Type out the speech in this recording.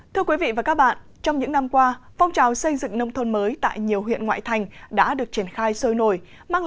thưa quý vị và các bạn trong những năm qua phong trào xây dựng nông thôn mới tại nhiều huyện ngoại thành đã được triển khai sôi nổi